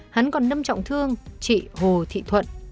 hắn còn đâm trọng thương chị hồ thị thuận